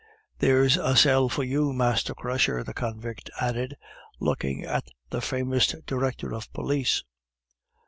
"There's a sell for you, master crusher," the convict added, looking at the famous director of police.